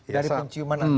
dari penciuman anda